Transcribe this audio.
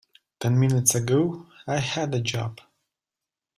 Ten minutes ago I had a job.